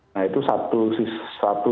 nah itu satu sisi satu